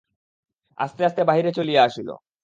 আস্তে আস্তে বাহিরে চলিয়া আসিল।